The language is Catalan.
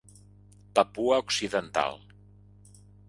Papua Occidental.